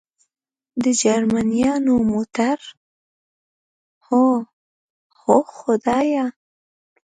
د جرمنیانو موټر؟ هو، اوه خدایه.